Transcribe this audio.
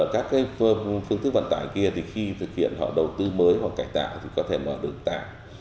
các phương tức vận tải kia thì khi thực hiện họ đầu tư mới hoặc cải tạo thì có thể mở đường tạng